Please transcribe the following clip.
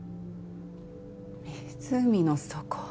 湖の底。